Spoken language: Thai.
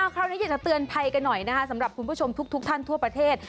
คราวนี้อยากจะเตือนภัยกันหน่อยนะคะสำหรับคุณผู้ชมทุกท่านทั่วประเทศ